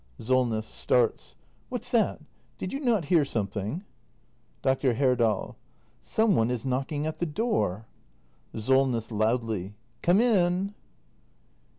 SOLNESS. [Starts.] What's that ? Did you not hear something ? Dr. Herdal. Some one is knocking at the door. Solness. [Loudly.] Come in.